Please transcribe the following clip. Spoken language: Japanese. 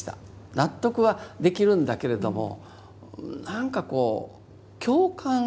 納得はできるんだけれども何かこう共感というかな